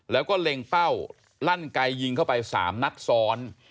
แล้วก็เล็งเป้าลั่นไกยิงเข้าไป๓นัดซ้อน